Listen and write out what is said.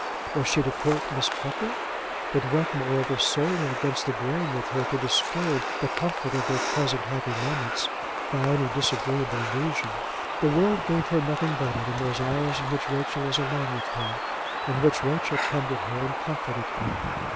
Was she to quote Miss Pucker? It went, moreover, sorely against the grain with her to disturb the comfort of their present happy moments by any disagreeable allusion. The world gave her nothing better than those hours in which Rachel was alone with her, in which Rachel tended her and comforted her.